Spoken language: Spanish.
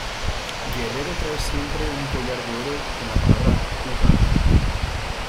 Guerrero trae siempre un collar de oro con la palabra "cougar".